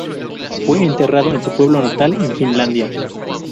Fue enterrado en su pueblo natal en Finlandia.